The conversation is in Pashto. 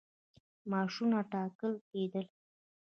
معاشونه ټاکل کېدل.